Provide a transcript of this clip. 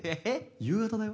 夕方だよ。